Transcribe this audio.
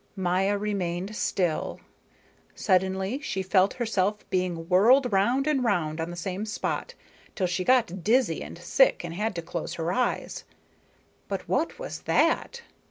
Maya remained still. Suddenly she felt herself being whirled round and round on the same spot, till she got dizzy and sick and had to close her eyes. But what was that?